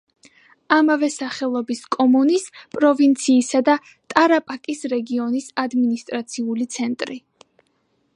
ამავე სახელობის კომუნის, პროვინციისა და ტარაპაკის რეგიონის ადმინისტრაციული ცენტრი.